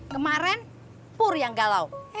kemaren pur yang galau